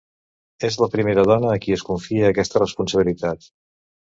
És la primera dona a qui es confia aquesta responsabilitat.